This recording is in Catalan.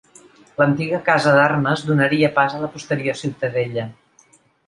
L'antiga Casa d'Armes donaria pas a la posterior Ciutadella.